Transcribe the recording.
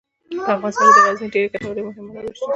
په افغانستان کې د غزني ډیرې ګټورې او مهمې منابع شته.